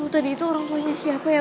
tadi itu orang punya siapa ya